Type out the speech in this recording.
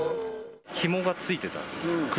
ひもがついてた？